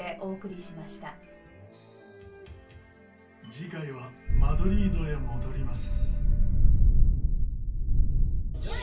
次回はマドリードへ戻ります。